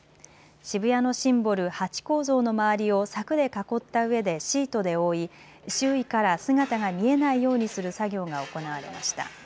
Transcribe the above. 渋谷のシンボル、ハチ公像の周りを柵で囲ったうえでシートで覆い周囲から姿が見えないようにする作業が行われました。